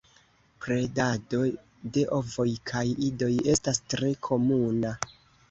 Predado de ovoj kaj idoj estas tre komuna.